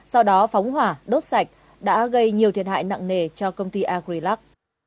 sau đó phóng hỏa đốt sạch đã gây nhiều thiệt hại nặng nề cho công ty agrilac